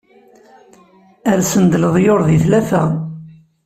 Rsen-d leḍyur di tlata.